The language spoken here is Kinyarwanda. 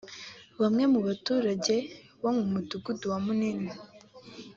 Bamwe mu baturage bo mu Mudugudu wa Munini